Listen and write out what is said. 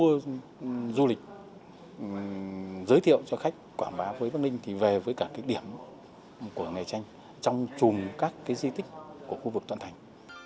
các du lịch giới thiệu cho khách quảng bá với bắc ninh về với cả điểm của nghề tranh trong chùm các di tích của khu vực thuận thành